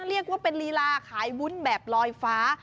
เรียกว่าเป็นลีลาขายวุ้นแบบลอยฟ้า